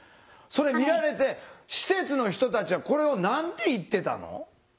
それ見られて施設の人たちはこれを何て言ってたの？